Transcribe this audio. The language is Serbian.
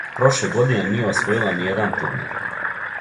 Прошле године није освојила ниједан турнир.